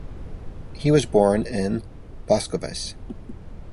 He was born in Boskovice.